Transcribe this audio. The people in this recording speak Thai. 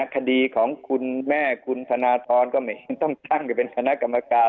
คดีของคุณแม่คุณธนทรก็ไม่เห็นต้องตั้งอยู่เป็นคณะกรรมการ